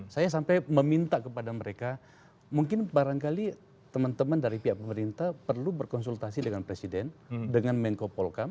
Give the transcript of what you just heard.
saya sampai meminta kepada mereka mungkin barangkali teman teman dari pihak pemerintah perlu berkonsultasi dengan presiden dengan menko polkam